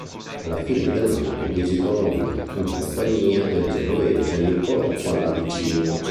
Alla fine dell'anno visitò Londra in compagnia del genovese Niccolò Pallavicino.